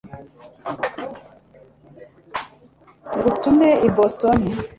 ntugume i boston